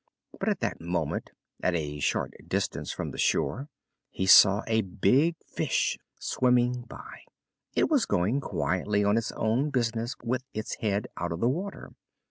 But at that moment, at a short distance from the shore, he saw a big fish swimming by; it was going quietly on its own business with its head out of the water.